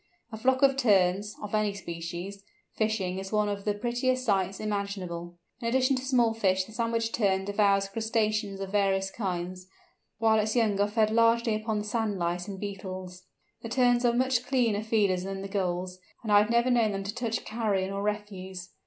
A flock of Terns (of any species) fishing is one of the prettiest sights imaginable. In addition to small fish the Sandwich Tern devours crustaceans of various kinds, whilst its young are fed largely upon sand lice and beetles. The Terns are much cleaner feeders than the Gulls, and I have never known them touch carrion or refuse.